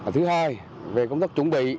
thứ hai về công tác chuẩn bị